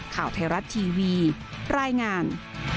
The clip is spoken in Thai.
ข่าวไทยรัฐทีวีรายงาน